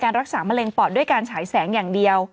การรักษาแมลงปอดด้วยการฉายแสงอย่างเดียว